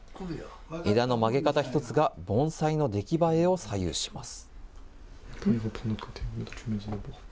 枝の曲げ方一つが盆栽の出来栄えを左右します。